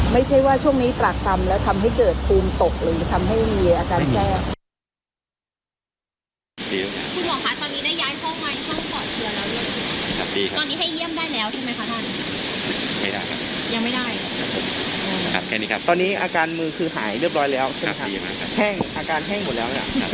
ไม่ใช่ว่าช่วงนี้ตรากรรมแล้วทำให้เกิดภูมิตกหรือมีอาการแส้